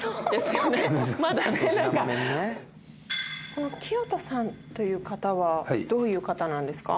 この清人さんという方はどういう方なんですか？